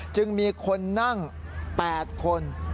จึงมีคนนั่ง๘คน